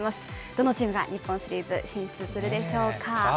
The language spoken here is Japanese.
どのチームが日本シリーズ進出するでしょうか。